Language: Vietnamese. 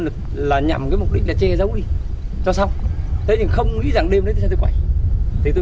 đây là ảnh chụp hiện trường sau khi đổ xong bê tông ở dầm đế và trụ cột